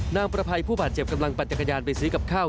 ประภัยผู้บาดเจ็บกำลังปั่นจักรยานไปซื้อกับข้าว